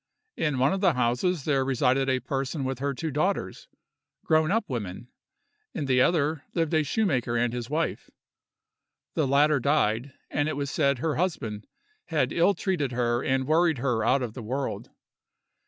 In one of the houses there resided a person with her two daughters, grown up women: in the other lived a shoemaker and his wife. The latter died, and it was said her husband had ill treated her and worried her out of the world.